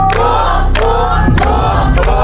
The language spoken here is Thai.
ถูกถูกถูกถูกถูก